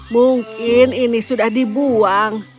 mungkin ini sudah dibuang